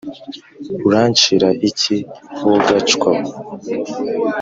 urancira iki wogacwa we